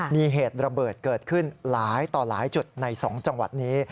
มีเหตุระเบิดเกิดขึ้นหลายต่อหลายจุดใน๒จังหวัดนี้